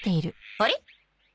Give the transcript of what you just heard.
あれ？